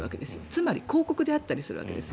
つまり広告であったりするわけです。